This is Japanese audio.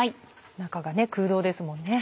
中が空洞ですもんね。